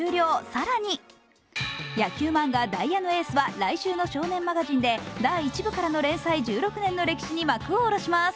更に野球漫画「ダイヤのＡ」は来週の「少年マガジン」で第１部からの連載１６年の歴史に幕を下ろします。